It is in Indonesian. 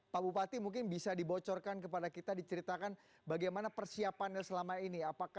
pak bupati mungkin bisa dibocorkan kepada kita diceritakan bagaimana persiapannya selama ini